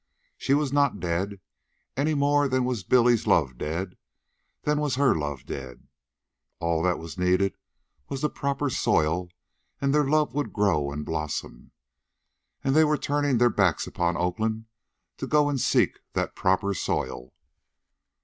She was not dead, any more than was Billy's love dead, than was her love dead. All that was needed was the proper soil, and their love would grow and blossom. And they were turning their backs upon Oakland to go and seek that proper soil.